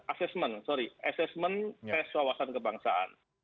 asesmen sorry asesmen tes sawasan kebangsaan